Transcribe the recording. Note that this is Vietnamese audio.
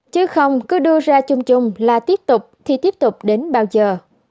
chứ không cứ đưa ra chung chung là tiếp tục thì tiếp tục đến bao giờ